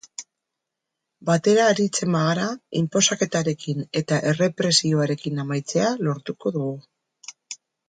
Batera aritzen bagara, inposaketarekin eta errepresiarekin amaitzea lortuko dugu.